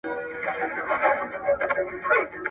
ولي موږ د اوږده اتڼ لپاره ډوډۍ راوړو؟